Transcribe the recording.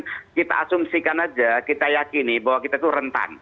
ini kan kita asumsikan saja kita yakini bahwa kita itu rentan